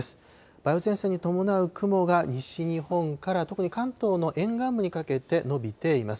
梅雨前線に伴う雲が西日本から特に関東の沿岸部にかけて延びています。